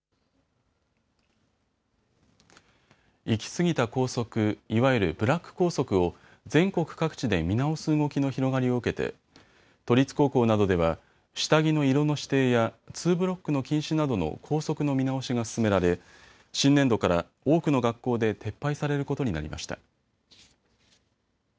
行きすぎた校則、いわゆるブラック校則を全国各地で見直す動きの広がりを受けて都立高校などでは下着の色の指定やツーブロックの禁止などの校則の見直しが進められ新年度から多くの学校で撤廃されることになりました。